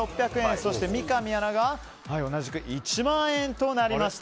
そして三上アナが同じく１万円となりました。